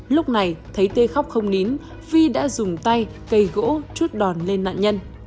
lúc này thấy t khóc không nín vi đã dùng tay cây gỗ chút đòn lên nạn nhân